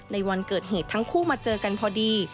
วันเกิดเหตุทั้งคู่มาเจอกันพอดี